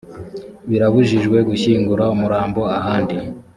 birabujijwe gushyingura umurambo ahandi